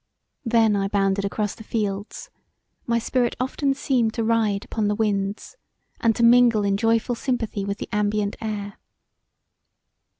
Then I bounded across the fields; my spirit often seemed to ride upon the winds, and to mingle in joyful sympathy with the ambient air.